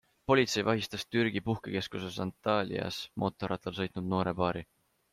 Politsei vahistas Türgi puhkekeskuses Antalyas mootorrattal sõitnud noore paari.